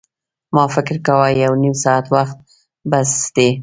ما فکر کاوه یو نیم ساعت وخت بس دی.